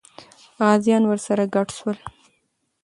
غازیان ورسره ګډ سول.